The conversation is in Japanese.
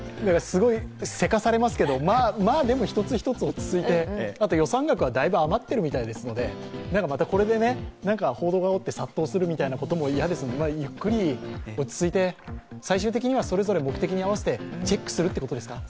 すごいせかされますけど、一つ一つ落ち着いて、あと、予算額はだいぶ余っているみたいですのでまたこれで報道があおって殺到するみたいなことも嫌ですのでゆっくり落ち着いて、最終手金はそれぞれ目的に合わせてチェックするっていうことですか。